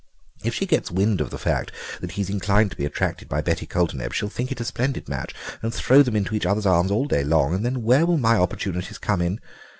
If she gets wind of the fact that he's inclined to be attracted by Betty Coulterneb she'll think it a splendid match and throw them into each other's arms all day long, and then where will my opportunities come in?